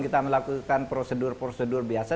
kita melakukan prosedur prosedur biasa